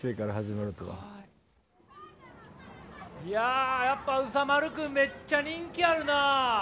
いややっぱうさ丸くんめっちゃ人気あるな。